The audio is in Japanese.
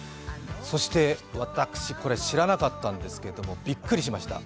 そして私、これ知らなかったんですけれども、びっくりしました。